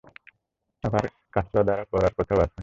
আবার কাসরা দ্বারা পড়ার কথাও আছে।